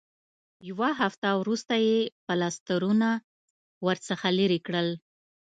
یوه هفته وروسته یې پلاسټرونه ورڅخه لرې کړل.